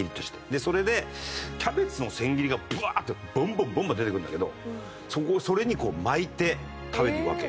でそれでキャベツの千切りがブワーッてバンバンバンバン出てくるんだけどそれに巻いて食べるわけ。